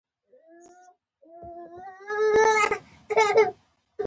زړه د ادب سرچینه ده.